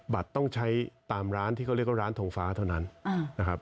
บัตรต้องใช้ตามร้านที่เขาเรียกว่าร้านทงฟ้าเท่านั้นนะครับ